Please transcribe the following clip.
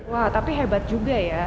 wah tapi hebat juga ya